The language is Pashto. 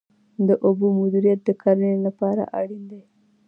د اوبو مدیریت د کرنې لپاره اړین دی